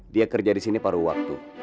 dia kerja di sini paru waktu